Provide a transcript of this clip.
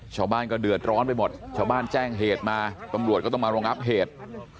ชาวบ้านก็เดือดร้อนไปหมดชาวบ้านแจ้งเหตุมาตำรวจก็ต้องมารองับเหตุ